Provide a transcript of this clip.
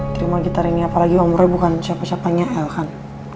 terima gitar ini apalagi om roy bukan siapa siapanya el kan